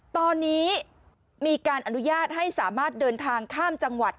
ตอนนี้มีการอนุญาตให้สามารถเดินทางข้ามจังหวัด